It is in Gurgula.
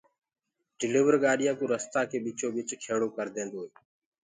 ڊليور گآڏِيآ ڪو رستآ ڪي ٻچو ٻچ کيڙو ڪر ديندوئي